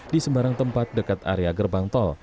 di sembarang tempat dekat area gerbang tol